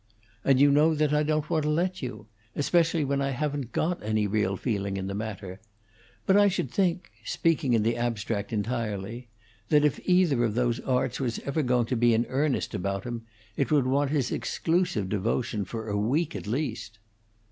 "And you know that I don't want to let you especially when I haven't got any real feeling in the matter. But I should think speaking in the abstract entirely that if either of those arts was ever going to be in earnest about him, it would want his exclusive devotion for a week at least."